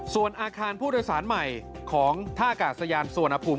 ส่วนอาคารผู้โดยสารใหม่ของท่ากาศยานสุวรรณภูมิ